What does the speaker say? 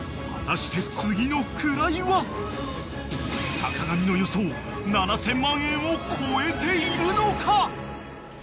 ［坂上の予想７，０００万円を超えているのか］